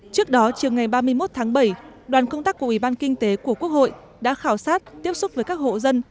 trước đó chiều ngày ba mươi một tháng bảy đoàn công tác của ủy ban kinh tế của quốc hội đã khảo sát tiếp xúc với các hộ dân